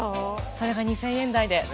それが２，０００円台で。